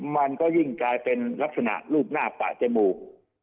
มันก็ยิ่งกลายเป็นลักษณะรูปหน้าปะจมูก